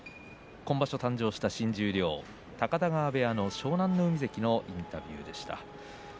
今場所、誕生した新十両、高田川部屋の湘南乃海関のインタビューでした。